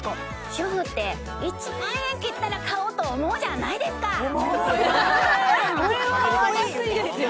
主婦って１万円切ったら買おうと思うじゃないですか思うこれはお安いですよ